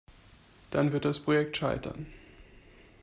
Dann wird das Projekt scheitern.